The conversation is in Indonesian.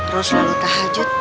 lo selalu tahajud